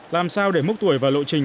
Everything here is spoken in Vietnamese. làm sao để mốc tuổi và lộ trình